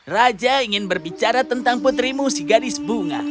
raja ingin berbicara tentang putrimu si gadis bunga